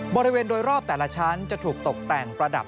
บริเวณโดยรอบแต่ละชั้นจะถูกตกแต่งประดับ